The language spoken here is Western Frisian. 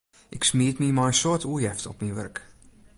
Ik smiet my mei in soad oerjefte op myn wurk.